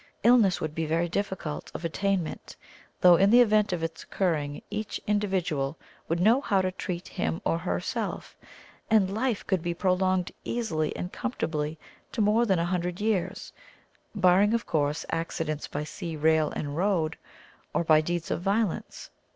Illness would be very difficult of attainment though in the event of its occurring each individual would know how to treat him or herself and life could be prolonged easily and comfortably to more than a hundred years, barring, of course, accidents by sea, rail and road, or by deeds of violence.